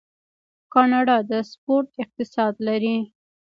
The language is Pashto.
کاناډا د سپورت اقتصاد لري.